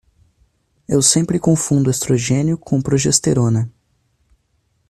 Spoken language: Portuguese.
Eu sempre confundo estrogênio com progesterona.